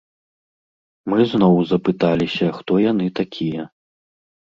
Мы зноў запыталіся, хто яны такія.